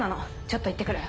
ちょっと行って来る。